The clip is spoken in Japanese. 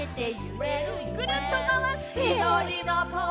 ぐるっとまわして。